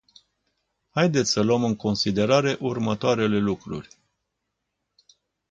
Haideți să luăm în considerare următoarele lucruri.